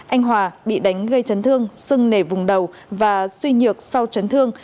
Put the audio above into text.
anh hòa bị đánh gây chấn thương sưng nề vùng đầu và suy nhược sau chấn thương